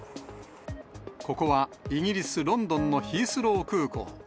ここはイギリス・ロンドンのヒースロー空港。